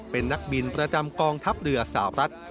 เป็นนักบินประจำกองทัพเรือสาวรัฐ